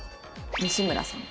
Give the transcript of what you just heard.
西村さん。